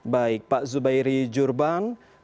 baik pak zubairi jurban ketua satgas covid sembilan belas